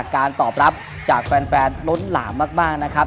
การตอบรับจากแฟนล้นหลามมากนะครับ